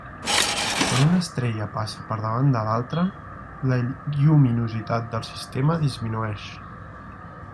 Quan una estrella passa per davant de l'altra, la lluminositat del sistema disminueix.